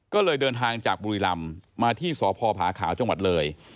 ก็เลยเดินทางจากบุรีรำมาที่สพผาขาวจังหวัดเลย